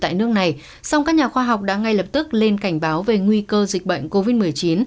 tại nước này song các nhà khoa học đã ngay lập tức lên cảnh báo về nguy cơ dịch bệnh covid một mươi chín